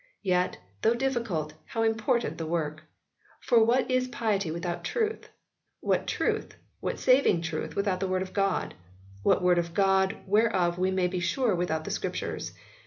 Yet, though difficult, how important the work ! For what is piety without truth ? What truth, what saving truth without the Word of God? What Word of God whereof we may be sure without the Scriptures?